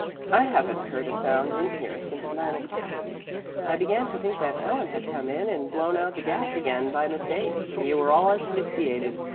"I haven't heard a sound in here since nine o'clock. I began to think that Helen had come in and blown out the gas again by mistake and you were all asphyxiated."